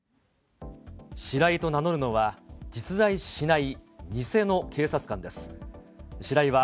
シライと名乗るのは、実在しない偽の警察官です。